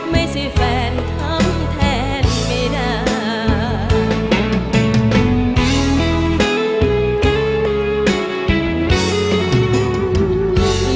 ไม่ใช่แฟนทำแทนไม่ได้